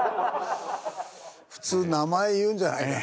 普通名前言うんじゃないかな。